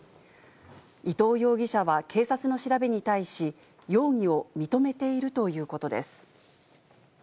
伊藤容疑者は警察の調べに対し、容疑を認めているということです。